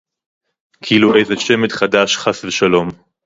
כאילו איזה שמד חדש, חס ושלום